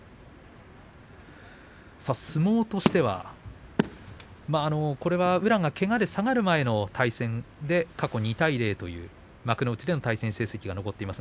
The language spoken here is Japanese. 相撲としては宇良がけがで下がる前の対戦で過去２対０幕内での対戦成績が残っています。